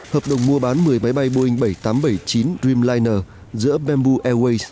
hợp đồng mua bán một mươi máy bay boeing bảy trăm tám mươi bảy chín dreamliner giữa bamboo airways